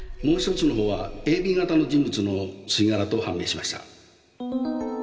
もう１つの方はＡＢ型の人物の吸い殻と判明しました。